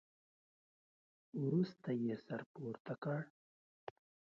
وروسته يې سر پورته کړ.